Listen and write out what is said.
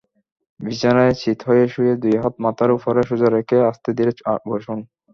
বিছানায় চিত হয়ে শুয়ে দুই হাত মাথার ওপরে সোজা রেখে আস্তে-ধীরে বসুন।